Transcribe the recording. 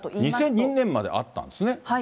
２００２年まであったんですね。